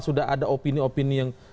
sudah ada opini opini yang